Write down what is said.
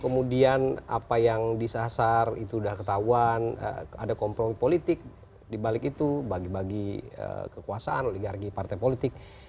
kemudian apa yang disasar itu sudah ketahuan ada kompromi politik dibalik itu bagi bagi kekuasaan oligarki partai politik